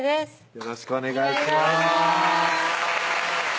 よろしくお願いします